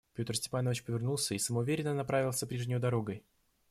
Петр Степанович повернулся и самоуверенно направился прежнею дорогой.